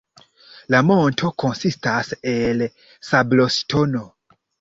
La monto konsistas el sabloŝtono.